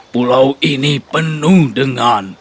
pulau ini penuh dengan